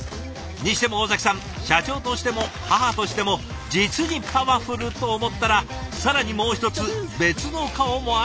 にしても尾崎さん社長としても母としても実にパワフルと思ったら更にもう一つ別の顔もあったんです。